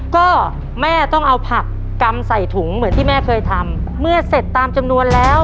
ก็แม่ต้องเอาผักกำใส่ถุงเหมือนที่แม่เคยทำเมื่อเสร็จตามจำนวนแล้ว